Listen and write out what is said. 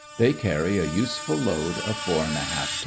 They carry a useful load of four and a half tons.